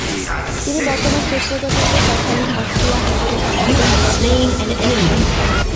তিনি বর্তমান চেক প্রজাতন্ত্রের, তৎকালীন অস্ট্রিয়া-হাঙ্গেরি সাম্রাজ্যের মোরাভিয়া অঞ্চলে জন্মগ্রহণ করেন।